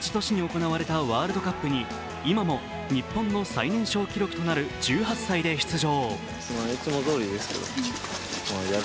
同じ年に行われたワールドカップに今も日本の最年少記録となる１８歳で出場。